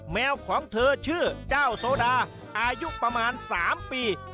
แมวของเธอชื่อเจ้าโซดาอายุประมาณ๓ปี